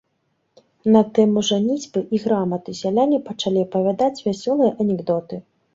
На тэму жаніцьбы і граматы сяляне пачалі апавядаць вясёлыя анекдоты.